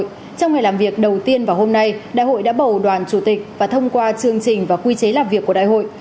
trong ngày làm việc đầu tiên vào hôm nay đại hội đã bầu đoàn chủ tịch và thông qua chương trình và quy chế làm việc của đại hội